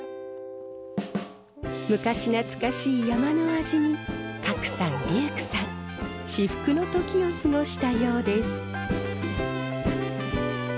昔懐かしい山の味に賀来さんデュークさん至福の時を過ごしたようです。